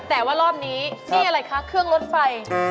แต่ว่ารอบนี้นี่อะไรคะเครื่องรถไฟ